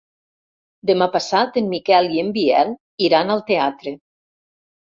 Demà passat en Miquel i en Biel iran al teatre.